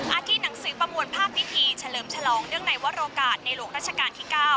ที่หนังสือประมวลภาพพิธีเฉลิมฉลองเนื่องในวรโอกาสในหลวงราชการที่๙